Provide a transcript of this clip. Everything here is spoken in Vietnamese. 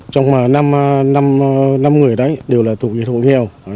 trong năm năm người đấy đều là thủ nghệ thuộc nghèo